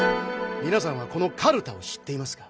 みなさんはこのかるたを知っていますか？